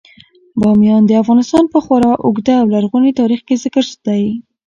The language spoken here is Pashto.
بامیان د افغانستان په خورا اوږده او لرغوني تاریخ کې ذکر دی.